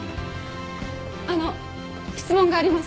あの質問があります。